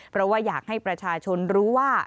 เพราะว่าอยากให้ประชาชนรู้ว่า